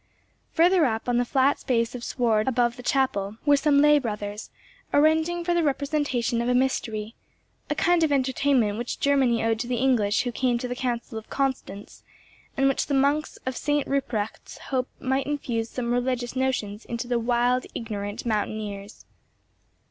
Further up, on the flat space of sward above the chapel, were some lay brothers, arranging for the representation of a mystery—a kind of entertainment which Germany owed to the English who came to the Council of Constance, and which the monks of St. Ruprecht's hoped might infuse some religious notions into the wild, ignorant mountaineers.